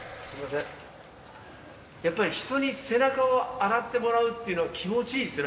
やっぱり人に背中を洗ってもらうっていうのは気持ちいいっすね。